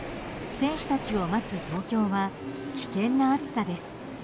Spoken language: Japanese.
選手たちを待つ東京は危険な暑さです。